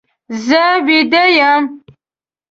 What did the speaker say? زه ویده یم.